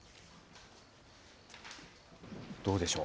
どうでしょう。